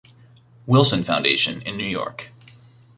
Wilson Foundation in New York.